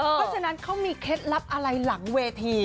เพราะฉะนั้นเขามีเคล็ดลับอะไรหลังเวที